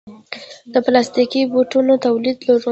د پلاستیکي بوټانو تولید لرو؟